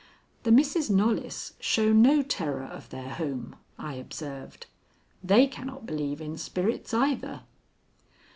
"The Misses Knollys show no terror of their home," I observed. "They cannot believe in spirits either."